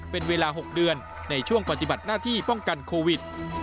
เป็นเวลา๖เดือนในช่วงปฏิบัติหน้าที่ป้องกันโควิด